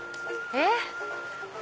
えっ？